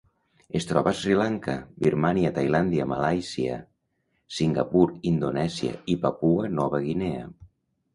Es troba a Sri Lanka, Birmània, Tailàndia, Malàisia, Singapur, Indonèsia i Papua Nova Guinea.